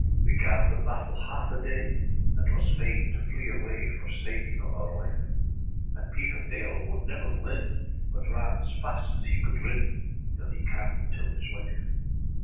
âWee gav her battel half a daye, And was faine to flee awaye For saving of oure lyfe; And Peter Dale wolde never blin, But ran as faste as he colde rinn, Till he cam till hys wyfe.